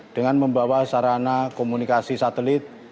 dengan membawa sarana komunikasi satelit